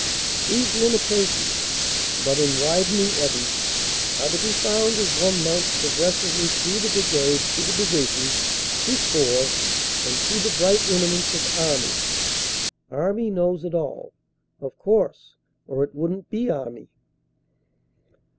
These limitations, but in widening eddies, are to be found as one mounts progressively through the brigade to the division, to Corps, and to the bright emi nence of Army. Army knows it all, of course, or it wouldn t be Army.